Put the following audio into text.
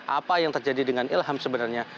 apa yang terjadi dengan ilham sebenarnya